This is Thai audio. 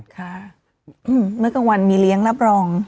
ค่ะเมื่อกลางวันมีเลี้ยงรับรอง